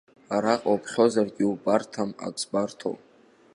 Араҟа уԥхьозаргь, иубарҭам ак збарҭоуп.